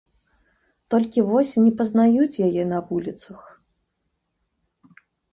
Толькі вось не пазнаюць яе на вуліцах.